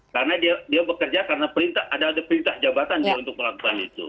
karena dia bekerja karena ada perintah jabatan dia untuk melakukan itu